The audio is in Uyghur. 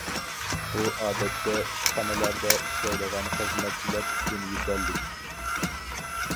بۇ ئادەتتە ئىشخانىلاردا ئىشلەيدىغان خىزمەتچىلەر ئۈچۈن يېتەرلىك.